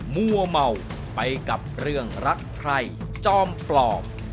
มั่วเมาไปกับเรื่องรักใครจอมปลอม